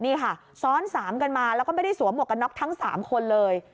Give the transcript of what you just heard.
นี่ค่ะซ้อนสามกันมาแล้วก็ไม่ได้สวมหมวกกันน็อกทั้ง๓คนเลย